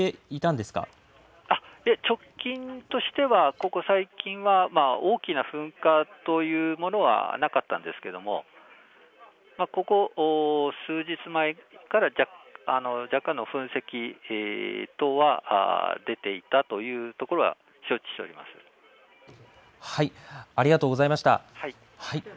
そして、直近でも直近としてはここ最近は大きな噴火というものはなかったんですけどもここ数日前から若干の噴石等は出ていたというところはありがとうございました。